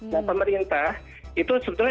nah pemerintah itu sebetulnya